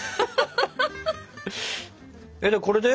でこれで？